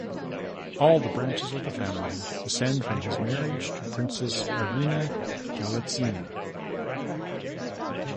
All the branches of the family descend from his marriage to Princess Irina Galitzina.